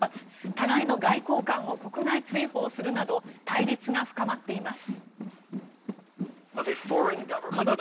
互いの外交官を国外追放するなど対立が深まっています。